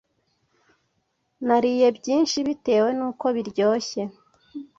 Nariye byinshi bitewe n’uko biryoshye,